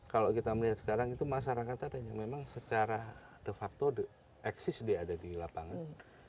kalau kita melihat sekarang itu masyarakat ada yang memang secara de facto eksis dia ada di lapangan